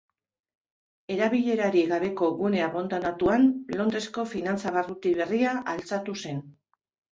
Erabilerarik gabeko gune abandonatuan, Londresko finantza barruti berria altxatu zen.